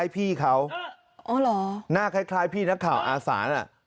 อ๋อเหรอพี่นักข่าวอาสานน่ะน่าคล้ายพี่นักข่าวอาสานน่ะ